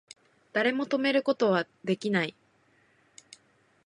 誰も止めること出来ない